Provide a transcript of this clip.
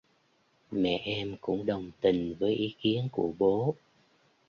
Mẹ em cũng đồng tình với ý kiến của bố